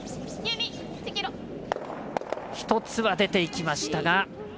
１つは出ていきましたが。